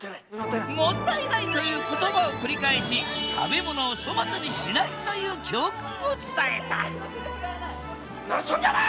「もったいない」という言葉を繰り返し「食べ物を粗末にしない」という教訓を伝えた何しとんじゃお前！